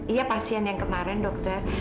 iya pasien yang kemarin dokter